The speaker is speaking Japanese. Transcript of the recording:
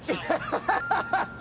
ハハハハ！